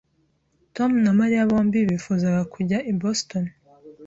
Tom na Mariya bombi bifuzaga kujya i Boston,